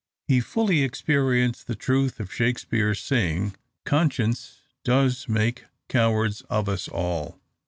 He fully experienced the truth of Shakspeare's saying, "Conscience does make cowards of us all"!